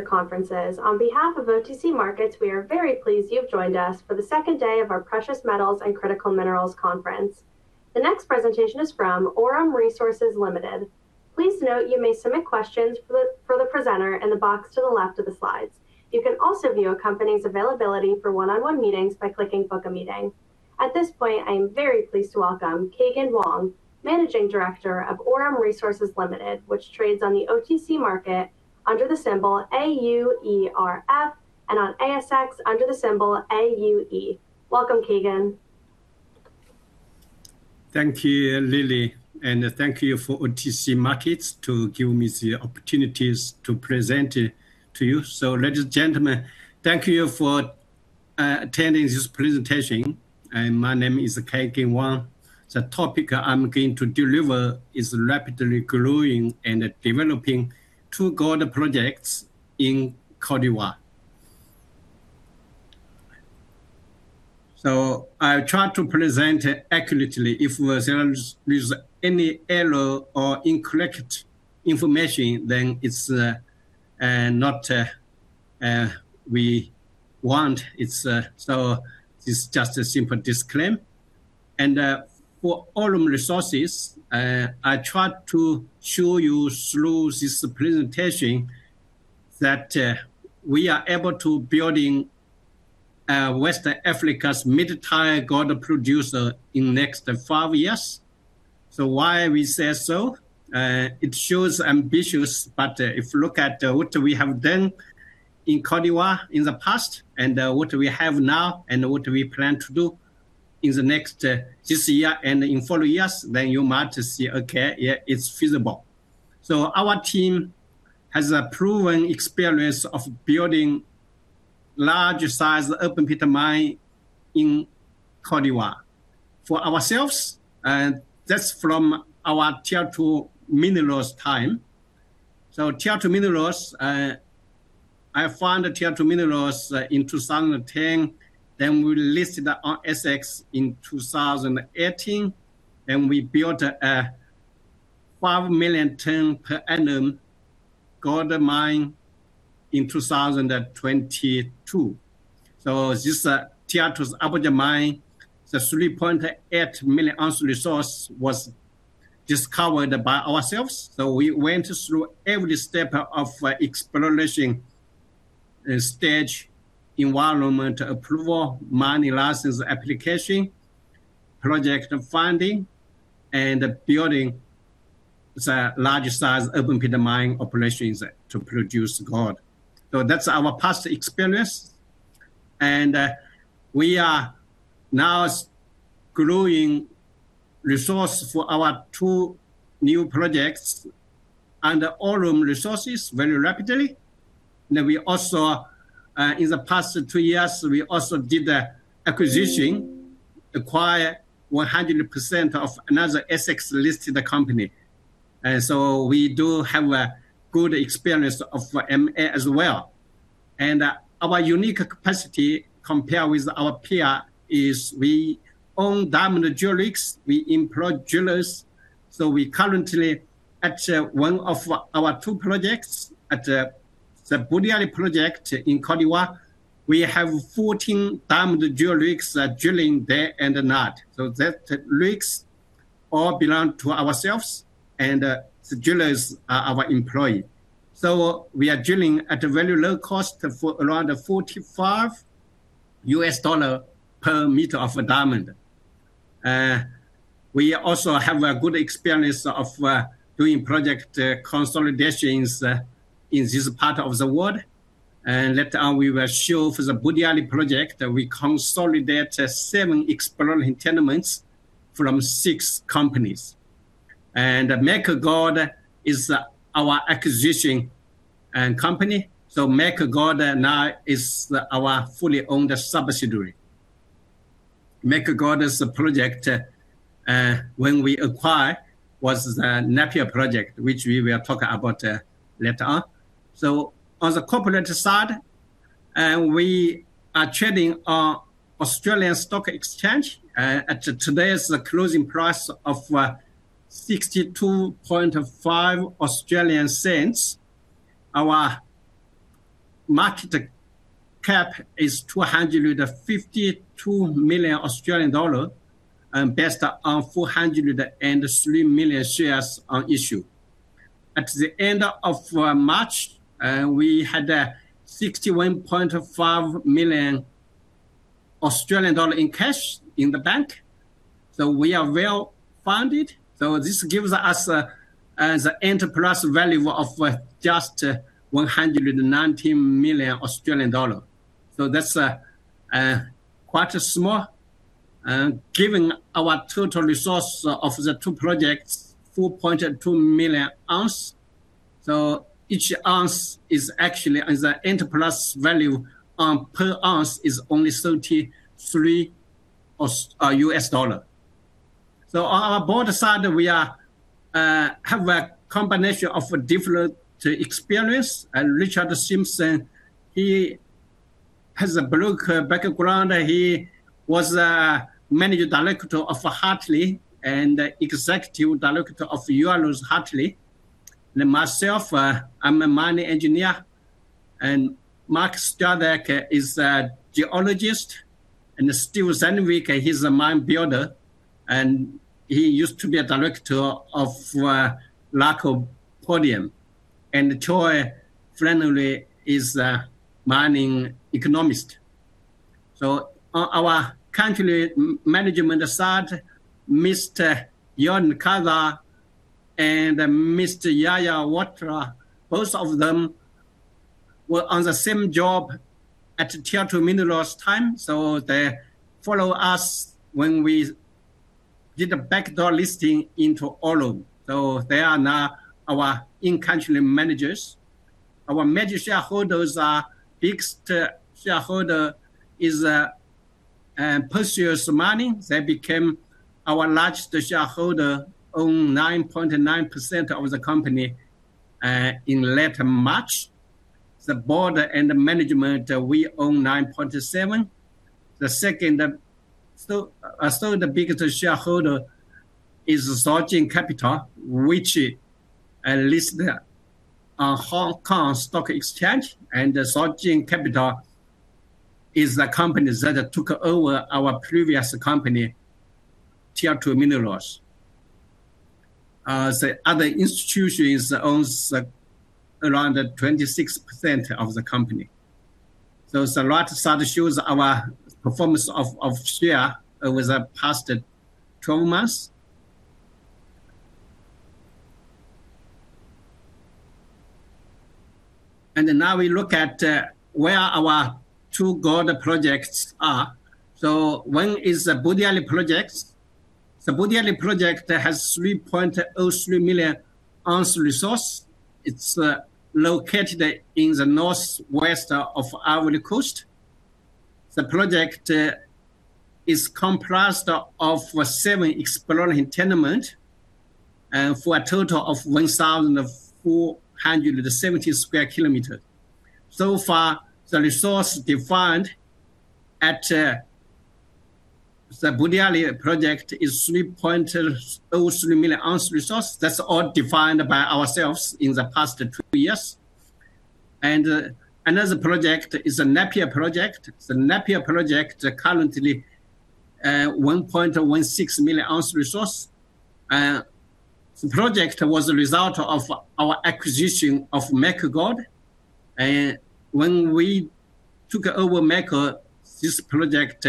Conferences. On behalf of OTC Markets, we are very pleased you have joined us for the second day of our Precious Metals and Critical Minerals Conference. The next presentation is from Aurum Resources Limited. Please note you may submit questions for the presenter in the box to the left of the slides. You can also view a company's availability for one-on-one meetings by clicking Book a Meeting. At this point, I am very pleased to welcome Caigen Wang, Managing Director of Aurum Resources Limited, which trades on the OTC Markets under the symbol AUERF, and on ASX under the symbol AUE. Welcome, Caigen. Thank you, Lily, thank you for OTC Markets to give me the opportunities to present it to you. Ladies and gentlemen, thank you for attending this presentation. My name is Caigen Wang. The topic I'm going to deliver is rapidly growing and developing two gold projects in Côte d'Ivoire. I try to present accurately. If there is any error or incorrect information, then it's not we want. It's just a simple disclaimer. For Aurum Resources, I try to show you through this presentation that we are able to building West Africa's mid-tier gold producer in next five years. Why we say so? It shows ambitious, but if you look at what we have done in Côte d'Ivoire in the past and what we have now and what we plan to do in the next this year and in follow years, you might see, okay, yeah, it's feasible. Our team has a proven experience of building large size open pit mine in Côte d'Ivoire. For ourselves, that's from our Tietto Minerals time. Tietto Minerals, I found Tietto Minerals in 2010, we listed on ASX in 2018, we built a 5 million tonne per annum gold mine in 2022. This, Tietto's open pit mine, the 3.8 million oz resource was discovered by ourselves. We went through every step of exploration stage, environment approval, mining license application, project funding, and building the large-size open pit mine operations to produce gold. That's our past experience, and we are now growing resource for our two new projects under Aurum Resources very rapidly. We also, in the past two years, we also did an acquisition, acquire 100% of another ASX-listed company. We do have a good experience of M&A as well. Our unique capacity compared with our peer is we own diamond drill rigs, we employ drillers. We currently, at one of our two projects, at the Boundiali project in Côte d'Ivoire, we have 14 diamond drill rigs drilling day and night. Those rigs all belong to ourselves and the drillers are our employees. We are drilling at a very low cost for around $45 per meter of diamond. We also have a good experience of doing project consolidations in this part of the world. Later on we will show for the Boundiali project, we consolidate seven exploration tenements from six companies. Mako Gold is our acquisition company. Mako Gold now is our fully owned subsidiary. Mako Gold is a project, when we acquire, was the Napié project, which we will talk about later on. On the corporate side, we are trading on Australian Securities Exchange at today's closing price of 0.625. Our market cap is 252 million Australian dollars, and based on 403 million shares on issue. At the end of March, we had 61.5 million Australian dollar in cash in the bank. We are well-funded. This gives us the enterprise value of just 190 million Australian dollars. That's quite small given our total resource of the two projects, 4.2 million oz. Each ounce is actually as an enterprise value per ounce is only $33 USD. On our board side, we have a combination of different experience. Richard Simpson has a broker background. He was Managing Director of Hartleys and Executive Director of Euroz Hartleys. Myself, I'm a mining engineer, and Mark Strizek is a geologist, and Steve Scudamore, he's a mine builder, and he used to be a Director of Lycopodium. Troy Flannery is a mining economist. Our country management side, Mr. John Carver and Mr. Yaya Ouattara, both of them were on the same job at Tietto Minerals time. They follow us when we did a backdoor listing into Aurum Resources. They are now our in-country managers. Our major shareholders are, biggest shareholder is, Perseus Mining. They became our largest shareholder, own 9.9% of the company in late March. The board and the management, we own 9.7%. The second, the biggest shareholder is Zijin Capital, which is listed on Stock Exchange of Hong Kong. Zijin Capital is the company that took over our previous company, Tietto Minerals. The other institutions owns around 26% of the company. The right side shows our performance of share over the past 12 months. Now we look at where our two gold projects are. One is the Boundiali project. The Boundiali project has 3.03 million ozresource. It's located in the northwest of Ivory Coast. The project is comprised of seven exploring tenement and for a total of 1,470 sq km. So far, the resource defined at the Boundiali project is 3.03 million oz resource. That's all defined by ourselves in the past two years. Another project is the Napié project. The Napié project currently 1.16 million oz resource. The project was a result of our acquisition of Mako Gold. When we took over Mako, this project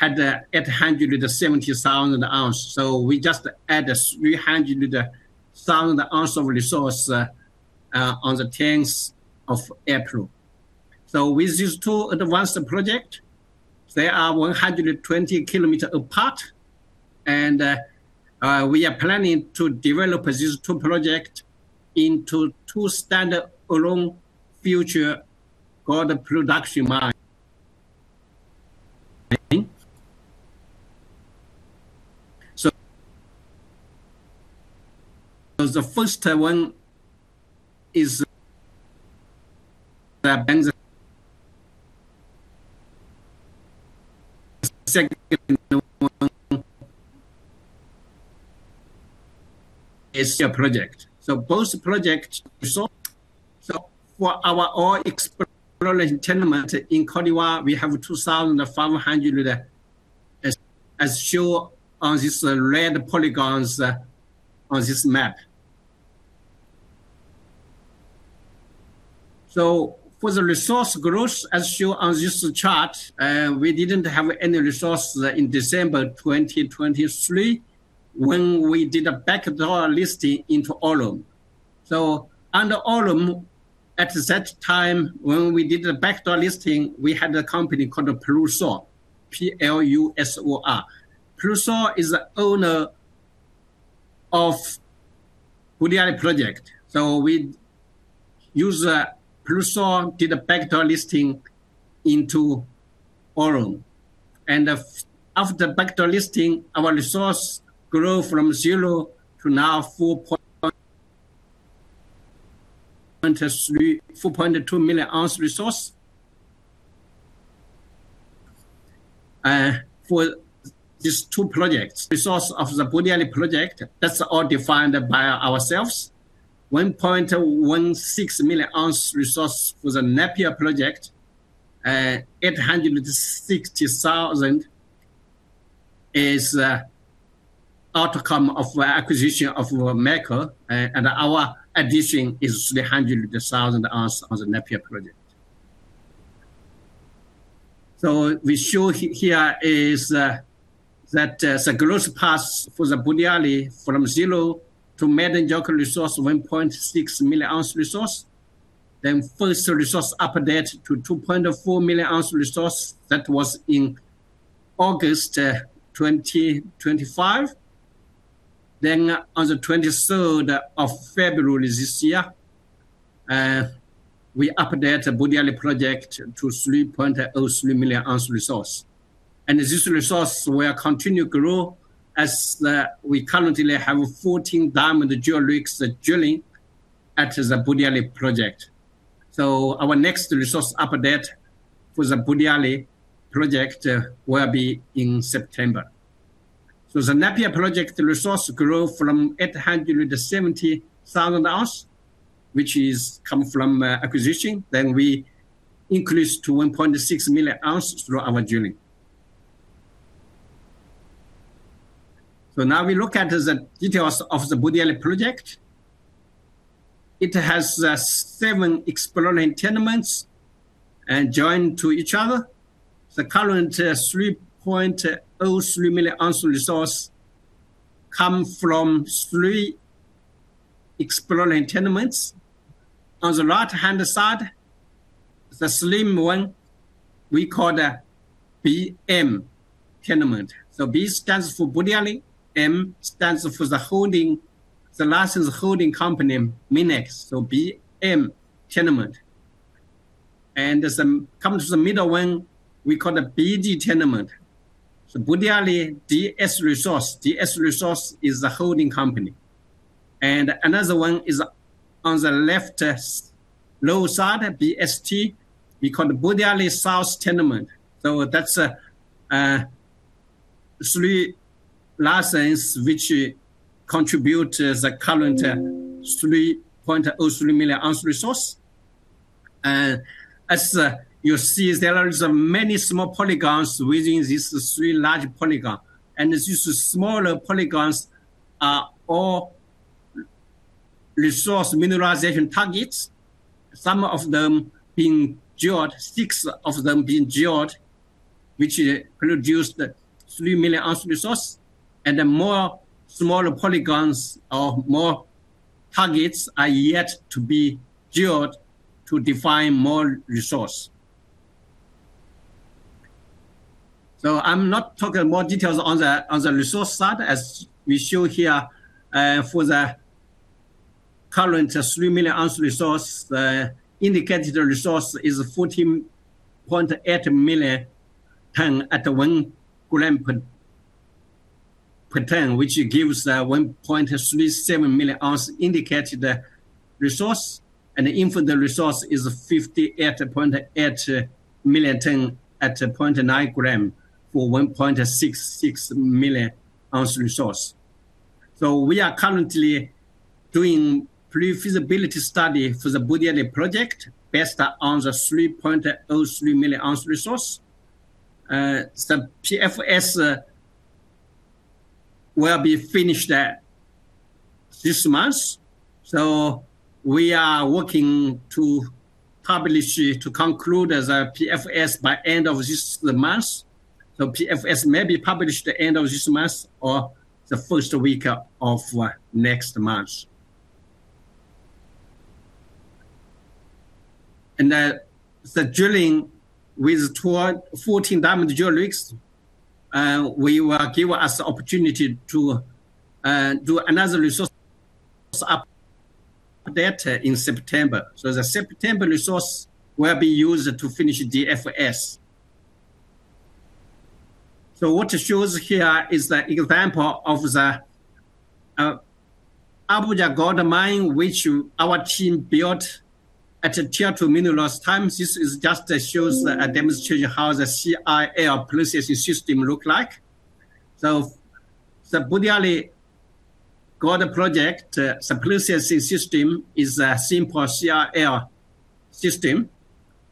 had 870,000 oz. We just add 300,000 oz of resource on the 10th of April. With these two advanced project, they are 120 kilometer apart, and we are planning to develop these two project into two standard Aurum future gold production mine. The first one is the Benza. Second one is your project. Both project result for our gold exploration tenement in Côte d'Ivoire, we have 2,500, as shown on these red polygons on this map. For the resource growth, as shown on this chart, we didn't have any resource in December 2023 when we did a backdoor listing into Aurum. Under Aurum, at that time when we did the backdoor listing, we had a company called Plusor, P-L-U-S-O-R. Plusor is the owner of Boundiali project. We use Plusor, did a backdoor listing into Aurum. After backdoor listing, our resource grew from zero to now 4.3, 4.2 million oz resource. For these two projects, resource of the Boundiali project, that's all defined by ourselves. 1.16 million ouz resource for the Napié project. 860,000 is outcome of acquisition of Mako, and our addition is 300,000 oz on the Napié project. We show here is that the growth path for the Boundiali from zero to measured and indicated resource, 1.6 million oz resource. First resource update to 2.4 million oz resource. That was in August 2025. On the 23rd of February this year, we update the Boundiali project to 3.03 million oz resource. This resource will continue grow as we currently have 14 diamond drill rigs drilling at the Boundiali project. Our next resource update for the Boundiali project will be in September. The Napié project resource grow from 870,000 oz, which is come from acquisition. We increase to 1.6 million oz through our drilling. Now we look at the details of the Boundiali project. It has seven exploring tenements and joined to each other. The current 3.03 million oz resource come from three exploring tenements. On the right-hand side, the slim one we call the BM tenement. B stands for Boundiali, M stands for the holding, the license holding company, MinEx. BM tenement. As the come to the middle one we call the BD tenement. Boundiali DS Resources. DS Resources is the holding company. Another one is on the left, low side, BST, we call the Boundiali South tenement. That's three licenses which contribute the current 3.03 million oz resource. As you see, there are the many small polygons within this three large polygons. These smaller polygons are all resource mineralization targets, some of them being drilled, six of them being drilled, which produced 3 million oz resource, the more smaller polygons or more targets are yet to be drilled to define more resource. I'm not talking more details on the resource side. As we show here, for the current 3 million oz resource, the indicated resource is 14.8 million tonne at the 1 gram per tonne, which gives the 1.37 million oz indicated resource. Inferred resource is 58.8 million tonne at 0.9 gram for 1.66 million oz resource. We are currently doing pre-feasibility study for the Boundiali project based on the 3.03 million oz resource. PFS will be finished this month. We are working to publish it, to conclude the PFS by end of this month. The PFS may be published the end of this month or the first week of next month. The drilling with 14 diamond drill rigs will give us opportunity to do another resource update in September. The September resource will be used to finish the PFS. What it shows here is the example of the Abujar Gold Mine, which our team built at Tietto Minerals times. This is just to shows demonstrate how the CIL processing system look like. The Boundiali Gold Project processing system is a simple CIL system.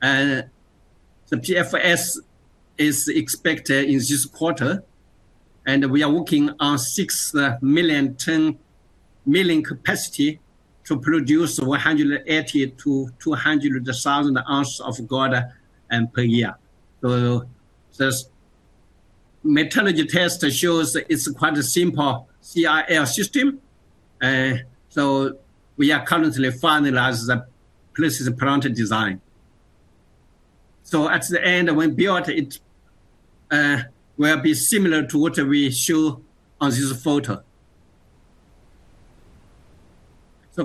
The PFS is expected in this quarter, and we are working on 6 million tonne milling capacity to produce 180,000-200,000 oz of gold per year. This metallurgy test shows it's quite a simple CIL system. We are currently finalizing the process plant design. At the end, when built, it will be similar to what we show on this photo.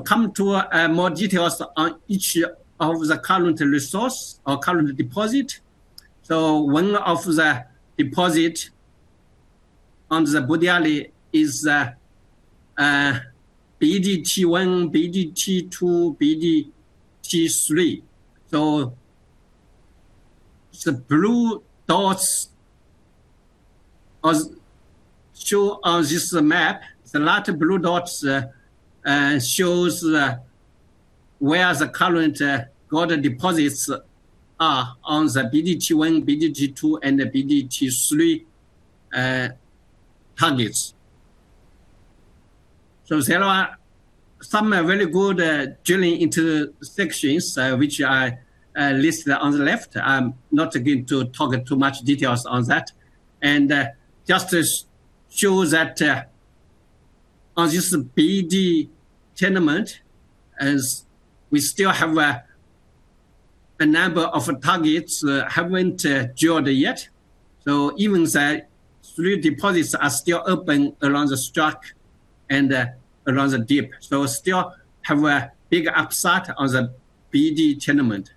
Come to more details on each of the current resource or current deposit. One of the deposit on the Boundiali is BDT1, BDT2, BDT3. The blue dots are show on this map, the lot of blue dots shows where the current gold deposits are on the BDT1, BDT2, and the BDT3 targets. There are some really good drilling into sections which I list on the left. I'm not going to talk in too much details on that. Just to show that on this BD tenement, as we still have a number of targets that haven't drilled yet. Even the three deposits are still open around the strike and around the dip. We still have a big upside on the BD tenement.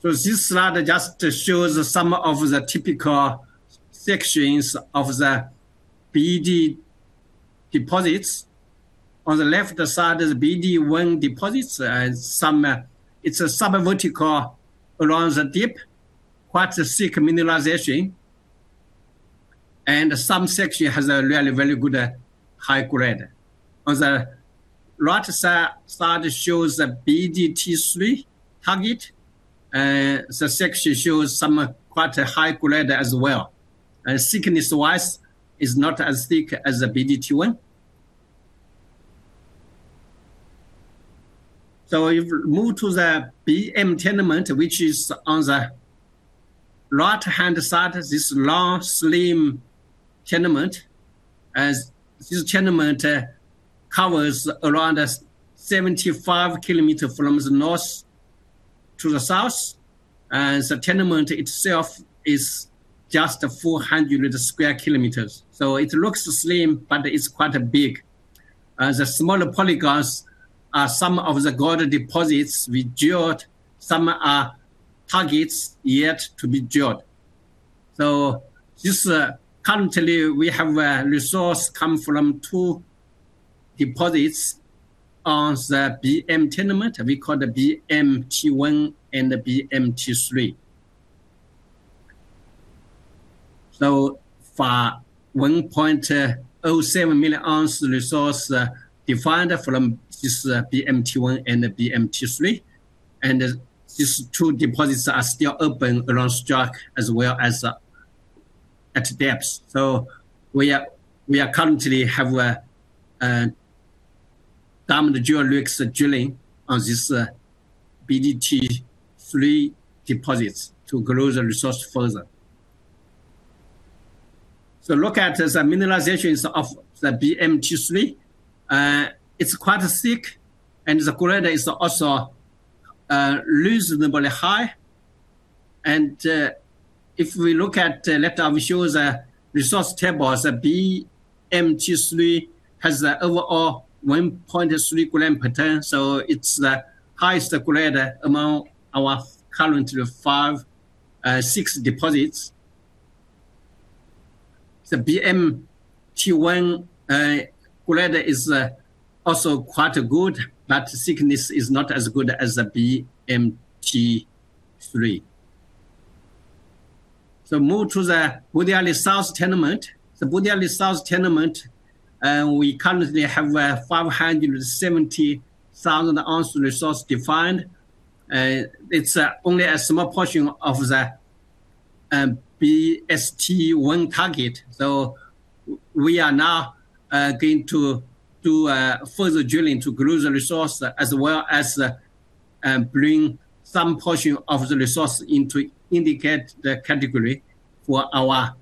This slide just shows some of the typical sections of the BD deposits. On the left side is BDT1 deposits. It's a sub-vertical around the dip, quite a thick mineralization, and some section has a really very good high grade. On the right side shows the BDT3 target, the section shows some quite a high grade as well. Thickness-wise, it's not as thick as the BDT1. If you move to the BM tenement, which is on the right-hand side, this long, slim tenement. This tenement covers around 75 km from the north to the south, and the tenement itself is just 400 sq km. It looks slim, but it's quite big. The smaller polygons are some of the gold deposits we drilled, some are targets yet to be drilled. Currently we have a resource come from two deposits on the BM tenement, we call the BMT1 and BMT3. For 1.07 million ouz resource defined from this BMT1 and BMT3, and these two deposits are still open around strike, as well as at depth. We are currently have done the drill rigs drilling on this BDT3 deposits to grow the resource further. Look at the mineralizations of the BMT3. It's quite thick and the grade is also reasonably high. If we look at the left, I will show the resource table. The BMT3 has the overall 1.3 gram per ton, so it's the highest grade among our current six deposits. The BMT1 grade is also quite good, but thickness is not as good as the BMT3. Move to the Boundiali South tenement. The Boundiali South tenement, we currently have 570,000 oz resource defined. It's only a small portion of the BST1 target. We are now going to do further drilling to grow the resource, as well as bring some portion of the resource into indicated category for our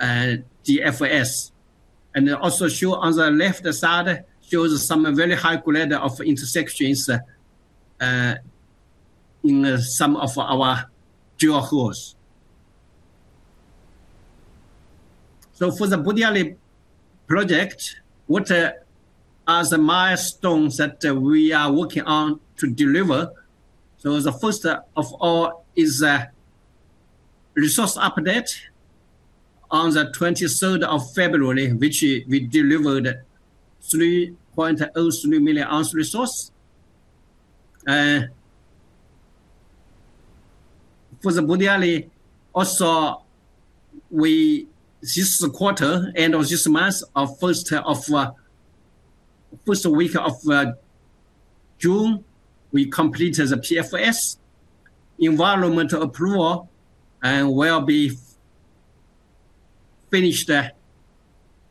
DFS. Also show on the left side, shows some very high grade of intersections in some of our drill holes. For the Boundiali project, what are the milestones that we are working on to deliver? The first of all is a resource update on the 23rd of February, which we delivered 3.03 million oz resource. For the Boundiali also, we this quarter, end of this month, or first week of June, we completed the PFS. Environmental approval will be finished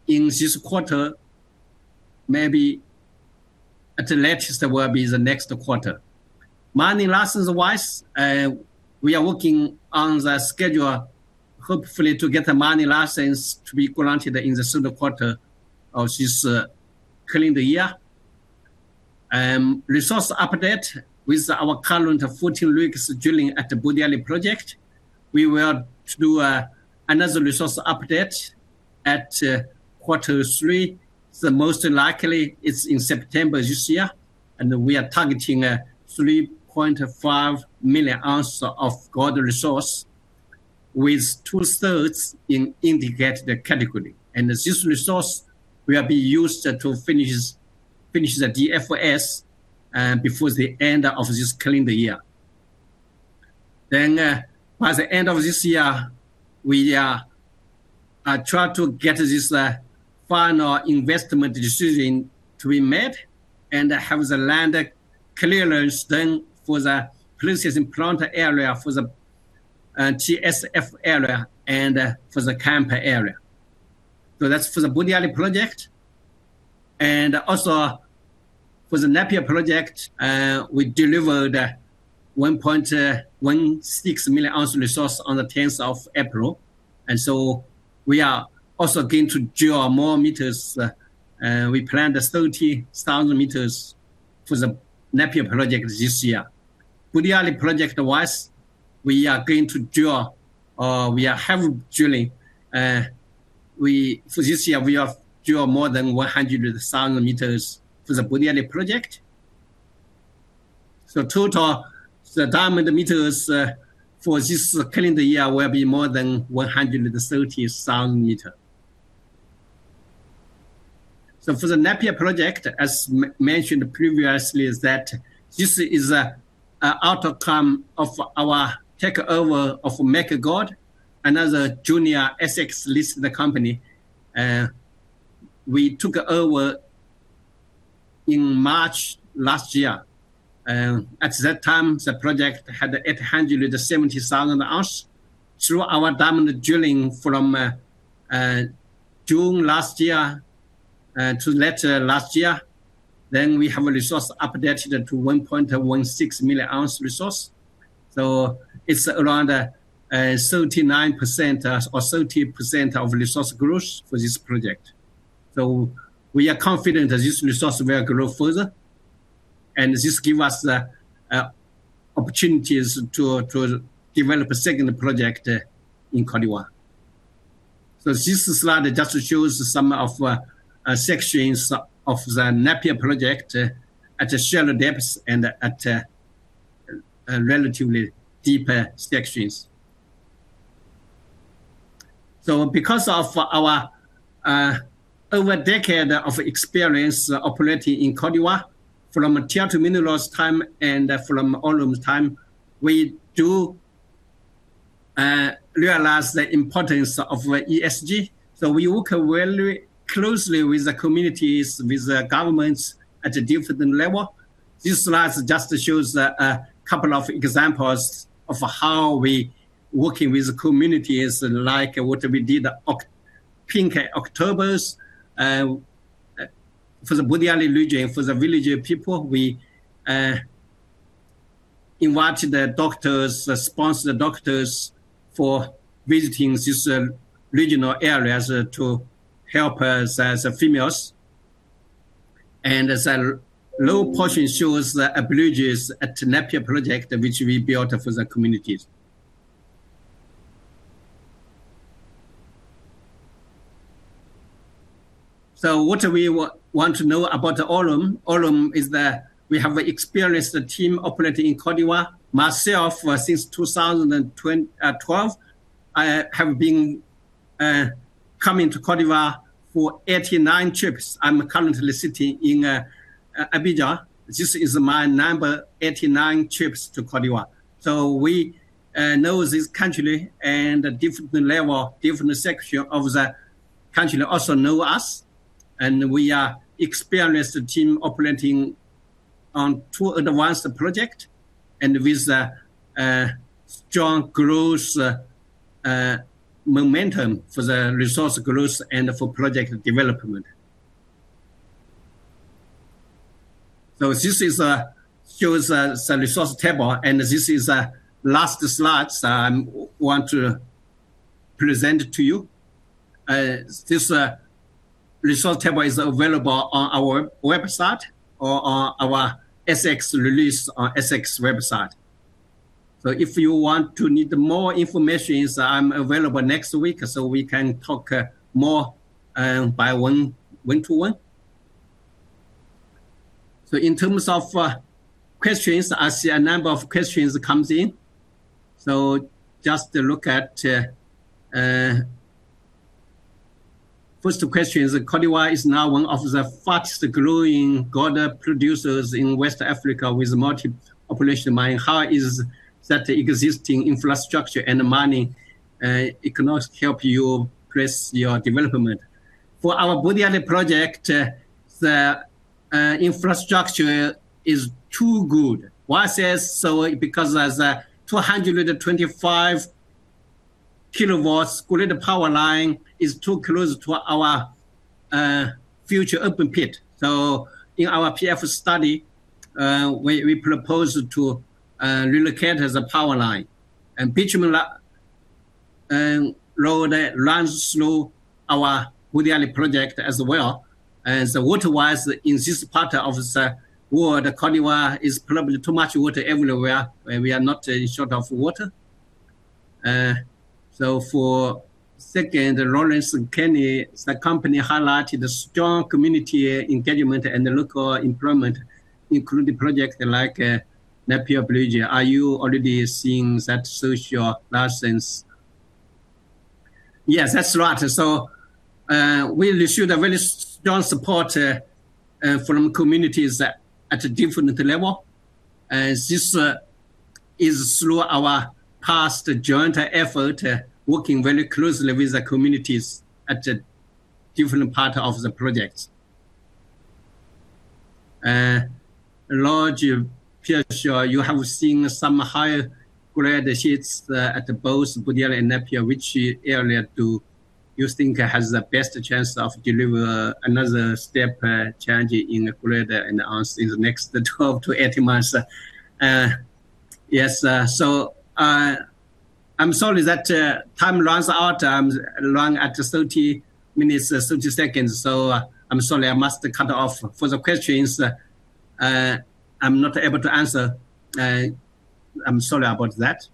in this quarter, maybe at the latest will be the next quarter. Mining license-wise, we are working on the schedule, hopefully to get the mining license to be granted in the Q3 of this calendar year. Resource update with our current 14 rigs drilling at the Boundiali project. We will do another resource update at Q3. Most likely it's in September this year, and we are targeting 3.5 million oz of gold resource, with 2/3 in indicated category. This resource will be used to finish the DFS before the end of this calendar year. By the end of this year, we are try to get this final investment decision to be made, and have the land clearance done for the processing plant area, for the TSF area, and for the camp area. That's for the Boundiali project. For the Napié project, we delivered 1.16 million oz resource on the tenth of April. We are also going to drill more meters. We planned 30,000 meters for the Napié project this year. Boundiali project-wise, we are going to drill, or we are heavily drilling, for this year we have drilled more than 100,000 meters for the Boundiali project. Total, the diamond meters for this calendar year will be more than 130,000 meter. For the Napié project, as mentioned previously, this is an outcome of our takeover of Mako Gold, another junior ASX-listed company, we took over in March last year. At that time, the project had 870,000 oz. Through our diamond drilling from June last year to later last year, we have a resource updated to 1.16 million oz resource. It's around 39% or 30% of resource growth for this project. We are confident that this resource will grow further, and this give us the opportunities to develop a second project in Côte d'Ivoire. This slide just shows some sections of the Napié Gold Project at the shallow depths and at relatively deeper sections. Because of our over a decade of experience operating in Côte d'Ivoire, from Tietto Minerals time and from Aurum Resources time, we do realize the importance of ESG. We work very closely with the communities, with the governments at a different level. This slide just shows a couple of examples of how we working with the communities, like what we did Pink October for the Boundiali region, for the village people, we invited the doctors, sponsored the doctors for visiting these regional areas to help us as females. The low portion shows the aborigines at Napié Gold Project, which we built for the communities. What do we want to know about Aurum Resources? We have experienced team operating in Côte d'Ivoire. Myself, since 2012, I have been coming to Côte d'Ivoire for 89 trips. I'm currently sitting in Abidjan. This is my number 89 trips to Côte d'Ivoire. We know this country and different level, different section of the country also know us, and we are experienced team operating on two advanced project, and with a strong growth momentum for the resource growth and for project development. This is shows the resource table, and this is last slides I'm want to present to you. This resource table is available on our website or on our ASX release on ASX website. If you want to need more information, I'm available next week, so we can talk more by one-to one. In terms of questions, I see a number of questions come in. Just look at first question, "Côte d'Ivoire is now one of the fastest growing gold producers in West Africa with multiple operational mines." How is that existing infrastructure and mining economics help you progress your development? For our Boundiali project, the infrastructure is too good. Why I say so? Because there's a 225 kW grid power line is too close to our future open pit. In our PFS study, we propose to relocate the power line. Bitumen road runs through our Boundiali project as well. Water-wise, in this part of the world, Côte d'Ivoire is probably too much water everywhere, and we are not in short of water. For second, Lawrence Kenny, "The company highlighted strong community engagement and local employment, including projects like, Napié project. Are you already seeing that social license?" Yes, that's right. We received a very strong support from communities at a different level. This is through our past joint effort, working very closely with the communities at the different part of the project. Roger Piershur, "You have seen some higher grade sheets at both Boundiali and Napié. Which area do you think has the best chance of deliver another step change in the grade and ounce in the next 12-18 months?" Yes, I'm sorry that time runs out. I'm running at 30 minutes, 30 seconds. I'm sorry, I must cut off. For the questions, I'm not able to answer, I'm sorry about that.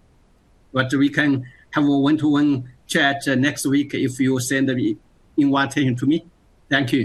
We can have a one-to-one chat next week if you send the invitation to me. Thank you.